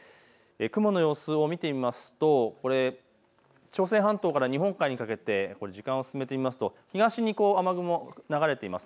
雲の様子を見てみるとこれは朝鮮半島から日本海にかけて時間を進めてみると東に雨雲が流れています。